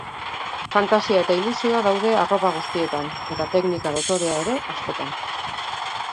Fantasia eta ilusioa daude arropa guztietan, eta teknika dotorea ere askotan.